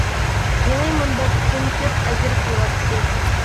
يېڭى مۇنبەر ئۈچۈن كۆپ ئەجىر قىلىۋاتىسىز.